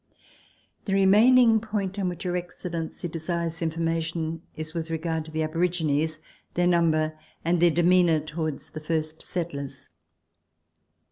The remaining point on which Your Excellency desires infor mation is with regard to the aborigines, their number and their demeanour towards the first settlers.